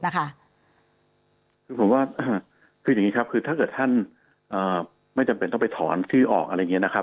คือผมว่าคืออย่างนี้ครับคือถ้าเกิดท่านไม่จำเป็นต้องไปถอนชื่อออกอะไรอย่างนี้นะครับ